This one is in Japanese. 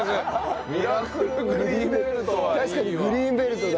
確かにグリーンベルトだ。